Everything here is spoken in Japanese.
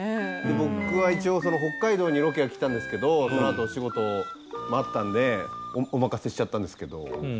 僕は一応その北海道にロケは来たんですけどそのあと仕事もあったんでお任せしちゃったんですけど。